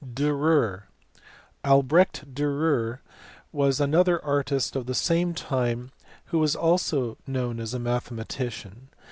Diirer. Albrecht Diirer* was another artist of the same time who was also known as a mathematician.